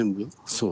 そう。